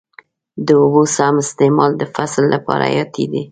د اوبو سم استعمال د فصل لپاره حیاتي دی.